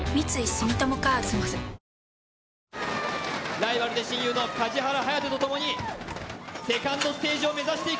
ライバルで親友の梶原颯とともにセカンドステージを目指していく。